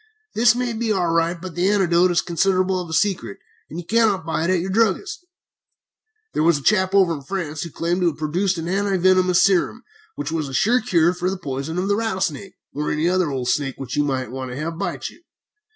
This may be all right, but the antidote is considerable of a secret, and you cannot buy it at your druggist's. "There was a chap over in France who claimed to have produced an anti venomous serum which was a sure cure for the poison of a rattlesnake, or any other old snake which you might want to have bite you.